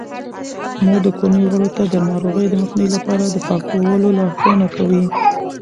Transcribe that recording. مور د کورنۍ غړو ته د ناروغیو د مخنیوي لپاره د پاکولو لارښوونه کوي.